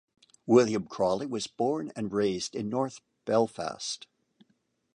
William Crawley was born and raised in north Belfast.